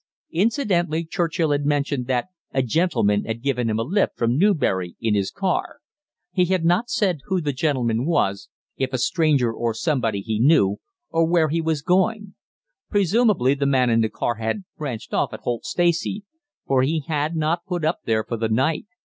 Incidentally Churchill had mentioned that "a gentleman had given him a lift from Newbury in his car." He had not said who the gentleman was if a stranger or somebody he knew, or where he was going. Presumably the man in the car had branched off at Holt Stacey for he had not put up there for the night.